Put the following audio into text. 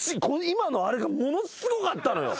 今のあれがものすごかったのよ。